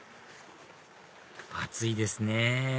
暑いですね